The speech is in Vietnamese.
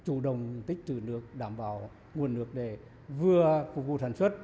chủ động tích trữ nước đảm bảo nguồn nước để vừa phục vụ sản xuất